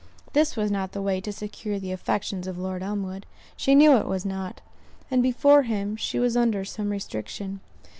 This was not the way to secure the affections of Lord Elmwood; she knew it was not; and before him she was under some restriction.